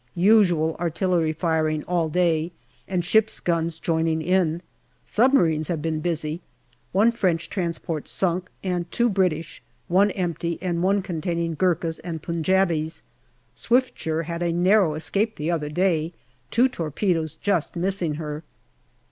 Usual artillery firing all day, and ship's guns joining in. Submarines have been busy. One French transport sunk and two British one empty and one con taining Gurkhas and Punjabis. Swiftsure had a narrow escape the other day, two torpedoes just missing her.